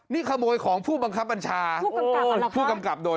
นี่ขโมยของผู้บังคับบัญชาผู้กำกับหรอค่ะผู้กำกับโดน